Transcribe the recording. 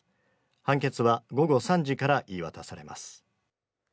判決は、午後３時から言い渡されます。